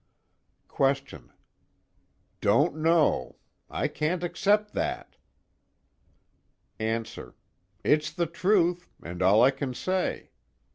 QUESTION: Don't know. I can't accept that. ANSWER: It's the truth, and all I can say.